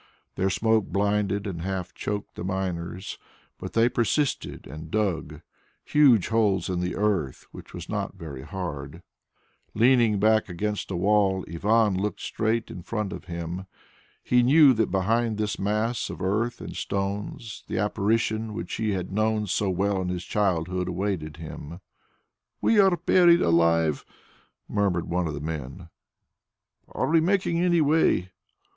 Their smoke blinded and half choked the miners, but they persisted and dug huge holes in the earth which was not very hard. Leaning his back against a wall, Ivan looked straight in front of him. He knew that behind this mass of earth and stones the Apparition which he had known so well in his childhood awaited him. "We are buried alive!" murmured one of the men. "Are we making any way?"